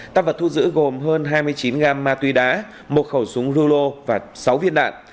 tăng vật thu giữ gồm hơn hai mươi chín gam ma túy đá một khẩu súng rulo và sáu viên đạn